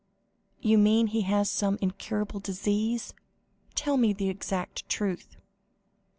"You mean he has some incurable disease? Tell me the exact truth."